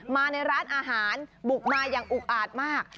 มาในร้านอาหารบุกมาอย่างอุกอาดมาก